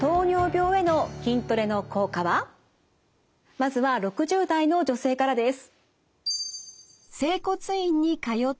まずは６０代の女性からです。